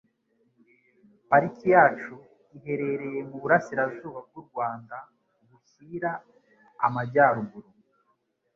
pariki yacu iherereye mu burasirazuba bw'u Rwanda bushyira amajyaruguru.